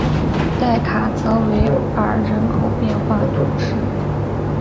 代卡泽维尔人口变化图示